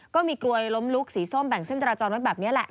ก็มีกลวยล้มลุกสีส้มแบ่งเส้นจราจรไว้แบบนี้แหละ